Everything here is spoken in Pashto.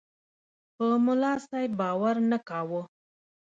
په ملاصاحب باور نه کاوه.